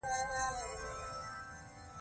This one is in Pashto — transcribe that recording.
د امنیتي پېښو په صورت کې دې ته اړتیا نشته.